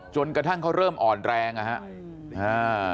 จนกระทั่งเขาเริ่มอ่อนแรงนะครับ